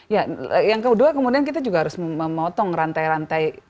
ya yang kedua kemudian kita juga harus memotong rantai rantai